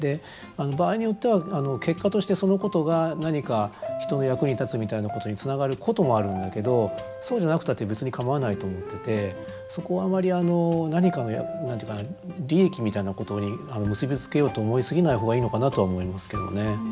場合によっては結果としてそのことが何か人の役に立つみたいなことにつながることもあるんだけどそうじゃなくたって別に構わないと思っててそこをあまり何かの何て言うかな利益みたいなことに結び付けようと思い過ぎない方がいいのかなとは思いますけどね。